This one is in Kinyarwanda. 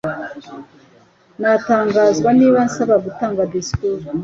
Natangazwa nibansaba gutanga disikuru.